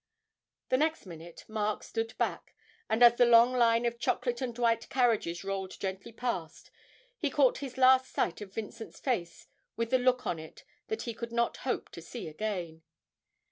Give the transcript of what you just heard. The next minute Mark stood back, and as the long line of chocolate and white carriages rolled gently past he caught his last sight of Vincent's face, with the look on it that he could not hope to see again.